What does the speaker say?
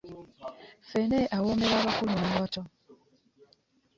Ffene awomera abakulu na bato.